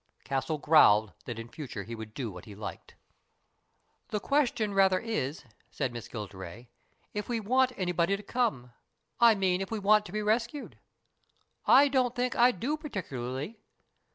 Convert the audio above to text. Castle growled that in future he would do what he liked. 104 STORIES IN GREY " The question rather is," said Miss Gilderay, "if we want anybody to come I mean, if we want to be rescued. I don't think I do particu larly.